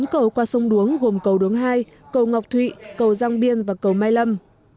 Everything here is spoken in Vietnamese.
bốn cầu qua sông đuống gồm cầu đuống hai cầu ngọc thụy cầu giang biên và cầu mai lâm